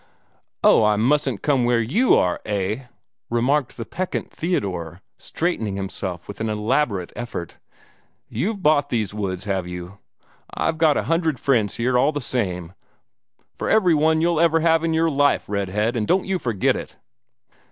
"Oh, I mustn't come where YOU are, eh?" remarked the peccant Theodore, straightening himself with an elaborate effort. "You've bought these woods, have you? I've got a hundred friends here, all the same, for every one you'll ever have in your life, Red head, and don't you forget it."